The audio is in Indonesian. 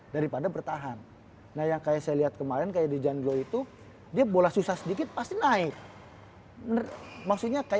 daripada bertahan nah yang kayak saya lihat kemarin kayak dijangkau itu dia bola susah sedikit pasti naik